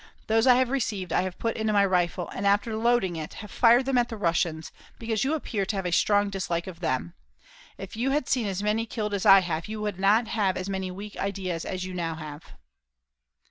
Those I have received I have put into my rifle, after loading it, and have fired them at the Russians, because you appear to have a strong dislike of them. If you had seen as many killed as I have you would not have as many weak ideas as you now have."